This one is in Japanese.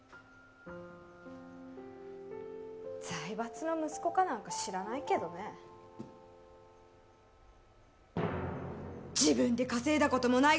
財閥の息子かなんか知らないけどね、自分で稼いだこともない